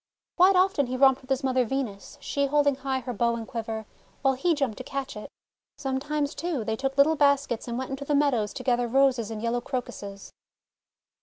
Quite often he romped with his mother Venus, she holding high her bow and quiver, while he jumped to catch it. Sometimes, too, they took little baskets and went into the meadows to gather Roses and yellow Crocuses.